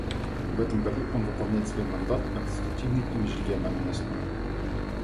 В этом году он выполняет свой мандат на конструктивной и межрегиональной основе.